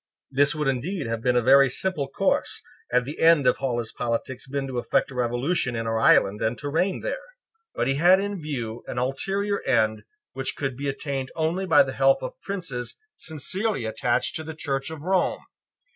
This would indeed have been a very simple course, had the end of all his politics been to effect a revolution in our island and to reign there. But he had in view an ulterior end which could be attained only by the help of princes sincerely attached to the Church of Rome.